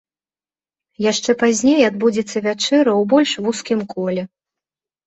Яшчэ пазней адбудзецца вячэра ў больш вузкім коле.